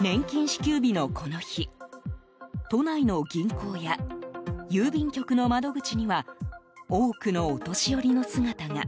年金支給日のこの日都内の銀行や郵便局の窓口には多くのお年寄りの姿が。